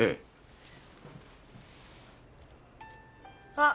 あっ！